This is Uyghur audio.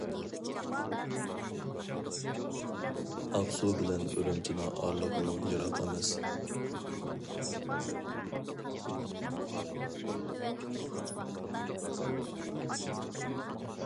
ئاقسۇ بىلەن ئۈرۈمچىنىڭ ئارىلىقىمۇ يىراق ئەمەس.